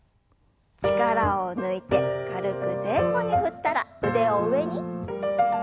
力を抜いて軽く前後に振ったら腕を上に。